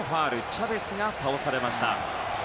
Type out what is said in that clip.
チャベスが倒されました。